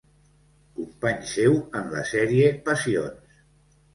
Company seu en la sèrie Passions.